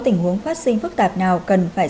tình huống phát sinh phức tạp nào cần phải